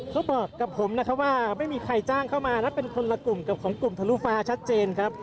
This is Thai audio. เขาบอกกับผมนะครับว่าไม่มีใครจ้างเข้ามาและเป็นคนละกลุ่มกับของกลุ่มทะลุฟ้าชัดเจนครับ